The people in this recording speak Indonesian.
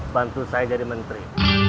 bantu saya jadi menteri